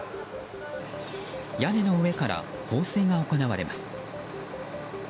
屋根の上から放水が行われます。